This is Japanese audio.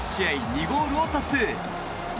２ゴールを達成。